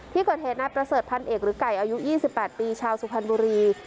ที่เกิดเหตุนายประเสริฐพันเอกหรือไก่อายุ๒๘ปีชาวสุพรรณบุรี